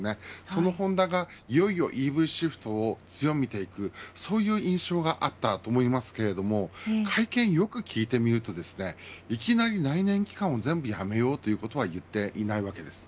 そのホンダがいよいよＥＶシフトを強めていくそういう印象があったと思いますが会見をよく聞いてみるといきなり内燃機関を全部やめようということは言っていないわけです。